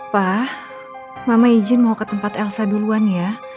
pak mama izin mau ke tempat elsa duluan ya